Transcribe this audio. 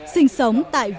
sinh sống tại quốc gia